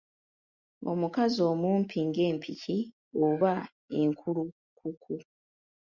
Omukazi mumpi ng'empiki oba enkulukuku